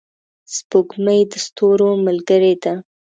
سپوږمۍ د ستورو ملګرې ده.